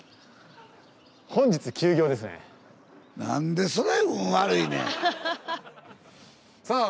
本日休業ですね。